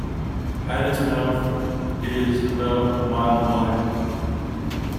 At its mouth it is about a mile wide.